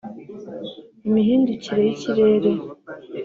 imihindukire y’ikirere